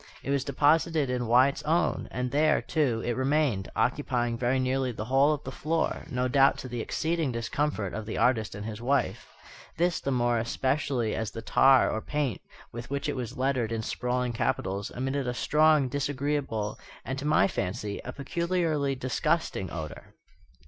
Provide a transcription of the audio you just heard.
It was deposited in Wyatt's own; and there, too, it remained, occupying very nearly the whole of the floor, no doubt to the exceeding discomfort of the artist and his wife; this the more especially as the tar or paint with which it was lettered in sprawling capitals emitted a strong, disagreeable, and, to my fancy, a peculiarly disgusting odour.